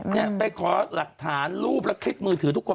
เนี่ยไปขอหลักฐานรูปและคลิปมือถือทุกคน